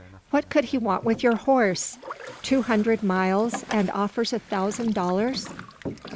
What could he want with your horse? Two hundred miles, and offers a thousand dollars!"